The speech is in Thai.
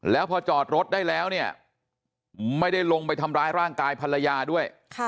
แล้วพอจอดรถได้แล้วเนี่ยไม่ได้ลงไปทำร้ายร่างกายภรรยาด้วย